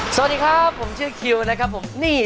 สวัสดีครับผมชื่อคิวเงี่ย